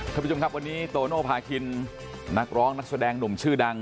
ท่านผู้ชมครับวันนี้โตโนภาคินนักร้องนักแสดงหนุ่มชื่อดัง